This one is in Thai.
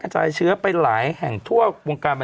ใช่ใช่เอ๊เพชรปลอมน่ะวัดใส่